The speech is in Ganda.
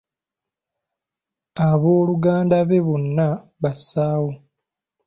Abooluganda be bonna basawo.